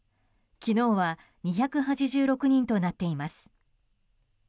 昨日は２８６人となっています。